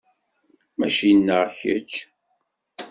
Mačči nneɣ kečč.